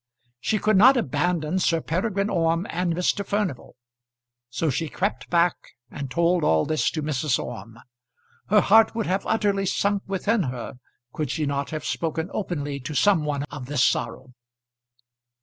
She could not abandon Sir Peregrine Orme and Mr. Furnival. So she crept back and told all this to Mrs. Orme. Her heart would have utterly sunk within her could she not have spoken openly to some one of this sorrow.